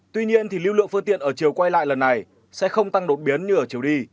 tuy nhiên lưu lượng phương tiện ở chiều quay lại lần này sẽ không tăng đột biến như ở chiều đi